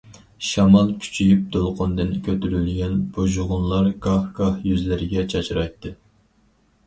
شامال كۈچىيىپ، دولقۇندىن كۆتۈرۈلگەن بۇژغۇنلار گاھ- گاھ يۈزلەرگە چاچرايتتى.